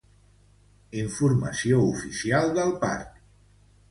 Informació oficial del Parque Aluche.